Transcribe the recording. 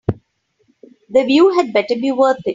The view had better be worth it.